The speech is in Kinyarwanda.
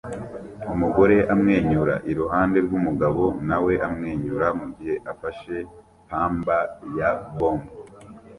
Umugore amwenyura iruhande rwumugabo nawe amwenyura mugihe afashe pamba ya bombo